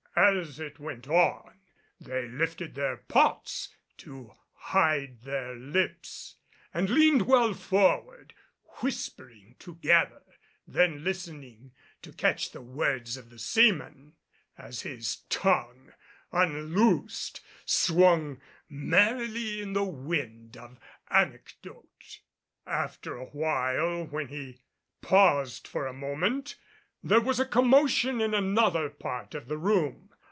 As it went on they lifted their pots to hide their lips and leaned well forward, whispering together, then listening to catch the words of the seaman, as his tongue, unloosed, swung merrily in the wind of anecdote. After a while when he paused for a moment there was a commotion in another part of the room.